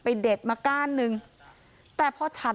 เป็นพระรูปนี้เหมือนเคี้ยวเหมือนกำลังทำปากขมิบท่องกระถาอะไรสักอย่าง